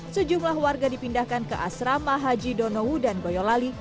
sejumlah warga dipindahkan ke asrama haji donowu dan boyolali